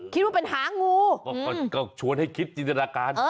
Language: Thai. คิดว่าเป็นหางูก็ชวนให้คิดจินตนาการ